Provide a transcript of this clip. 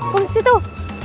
tulis di tuh